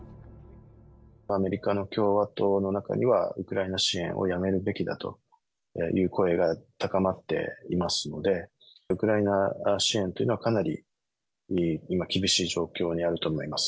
アメリカの共和党の中には、ウクライナ支援をやめるべきだという声が高まっていますので、ウクライナ支援というのは、かなり今厳しい状況にあると思います。